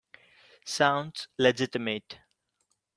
Sounds legitimate.